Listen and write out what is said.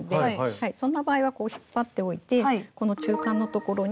そんな場合はこう引っ張っておいてこの中間のところに。